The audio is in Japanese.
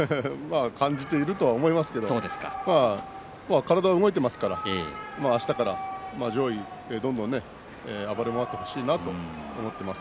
感じていると思いますけれど体が動いていますからあしたから上位にどんどん暴れ回ってほしいなと思っています。